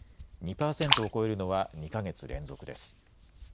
２％を超えるのは、２か月連続です。